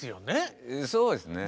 そうですね。